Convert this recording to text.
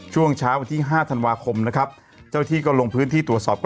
ช่วงเช้าวันที่๕ธันวาคมนะครับเจ้าที่ก็ลงพื้นที่ตรวจสอบ